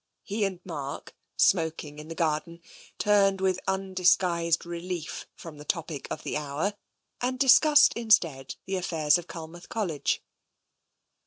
^e and Mark, smoking in the garden, turned with undisguised relief from the topic of the hour, and dis cussed instead the affairs of Culmouth College.